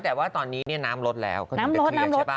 แต่ว่าตอนนี้นี่น้ำรสแล้วก็ยังเป็นเคลียร์ใช่ไหม